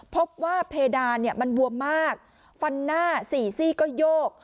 พบว่าเพดานมันบวมมากฟันหน้าสี่ซี่ก็โยก